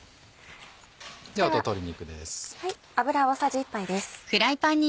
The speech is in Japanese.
ではあと鶏肉です。